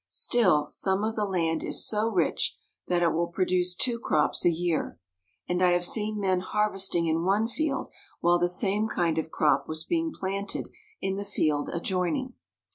Still, some of the land is so rich that it will produce two crops a year, and I have seen men harvesting in one field while the same kind of crop was being planted in the field adjoin ing.